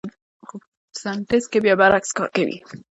خو په فتوسنتیز کې بیا برعکس کار کوي